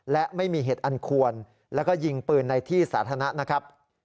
และไม่มีเหตุอันควรแล้วก็ยิงปืนในที่สาธารณะนะครับ